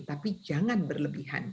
tapi jangan berlebihan